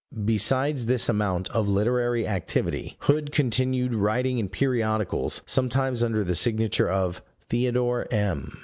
Besides this amount of literary activity, Hood continued writing in periodicals, sometimes under the signature of "Theodore M."